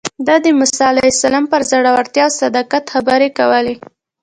ده د موسی علیه السلام پر زړورتیا او صداقت خبرې کولې.